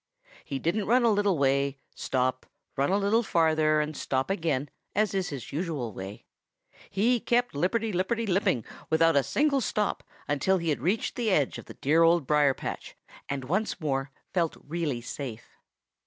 He didn't run a little way, stop, run a little farther and stop again, as is his usual way. He kept lipperty lipperty lipping without a single stop until he reached the edge of the dear Old Briar patch and once more felt really safe.